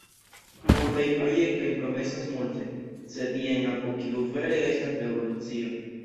Multaj projektoj promesas multe, sed jen apo kiu vere estas revolucio.